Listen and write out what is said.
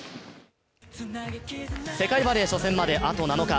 世界バレー初戦まであと７日。